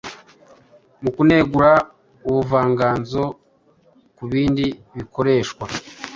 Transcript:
mu kunegura ubuvanganzoKubindi bikoreshwa